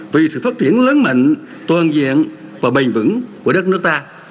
vì sự phát triển lớn mạnh toàn diện và bền vững của đất nước ta